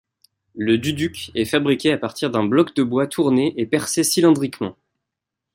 Le duduk est fabriqué à partir d'un bloc de bois tourné et percé cylindriquement.